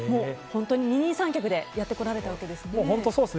本当に二人三脚でやってこられたわけですね。